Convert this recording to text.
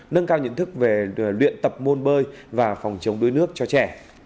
nâng cao nhận thức về luyện tập môn bơi và phòng chống đuối nước cho trẻ